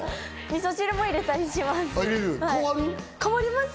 味噌汁にも入れたりします。